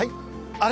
あれ？